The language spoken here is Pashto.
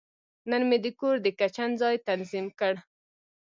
نن مې د کور د کچن ځای تنظیم کړ.